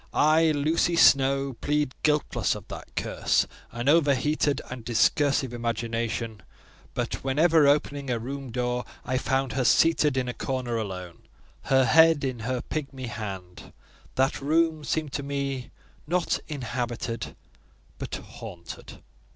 I, Lucy Snowe, plead guiltless of that curse, an overheated and discursive imagination; but whenever, opening a room door, I found her seated in a corner alone, her head in her pigmy hand, that room seemed to me not inhabited, but haunted.